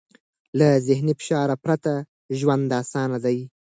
له ذهني فشار پرته ژوند اسان دی.